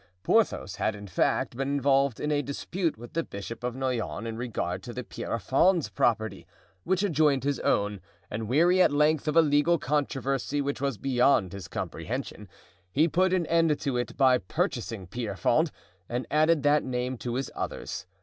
Porthos had, in fact, been involved in a dispute with the Bishop of Noyon in regard to the Pierrefonds property, which adjoined his own, and weary at length of a legal controversy which was beyond his comprehension, he put an end to it by purchasing Pierrefonds and added that name to his others.